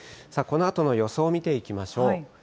さあ、このあとの予想を見ていきましょう。